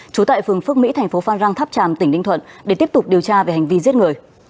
trú tại phường phước mỹ thành phố phan rang tháp tràm tỉnh ninh thuận để tiếp tục điều tra về hành vi giết người